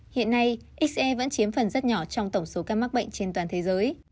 hiện nay xce vẫn chiếm phần rất nhỏ trong tổng số ca mắc bệnh trên toàn thế giới